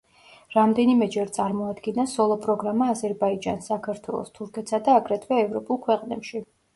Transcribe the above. რამდენიმეჯერ წარმოადგინა სოლო პროგრამა აზერბაიჯანს, საქართველოს, თურქეთსა და აგრეთვე ევროპულ ქვეყნებში.